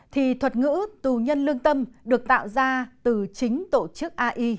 thì thuật ngữ tù nhân lương tâm được tạo ra từ chính tổ chức ai